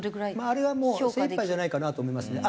あれはもう精いっぱいじゃないかなと思いますね。